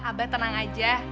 abah tenang aja